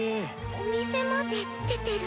お店まで出てる。